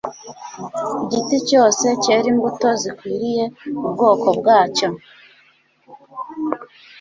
igiti cyose cyere imbuto zikwiriye ubwoko bwacyo